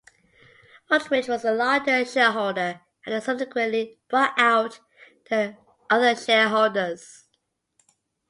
Aldrich was the largest shareholder and he subsequently bought-out the other shareholders.